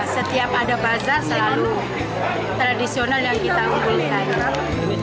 setiap ada bazaar selalu tradisional yang kita membuat